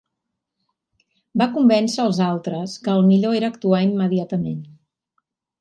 Va convèncer als altres que el millor era actuar immediatament.